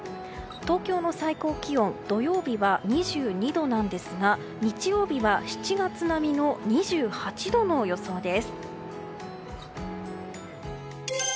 東京の最高気温土曜日は２２度なんですが日曜日は７月並みの２８度の予想です。